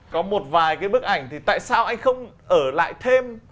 có một vài cái bức ảnh thì tại sao anh không ở lại thêm